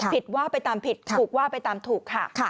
ผิดว่าไปตามผิดถูกว่าไปตามถูกค่ะ